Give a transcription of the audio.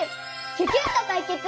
キュキュッとかいけつ！